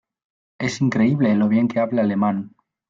Es increíble lo bien que habla alemán.